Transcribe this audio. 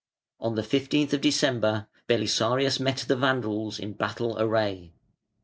On the 15 th December Belisarius met the Vandals in battle array.